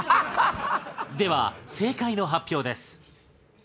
では正解の発表です。